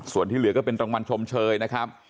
ส่วนที่เหลือก็เป็นรางวัลชมเชยนะครับ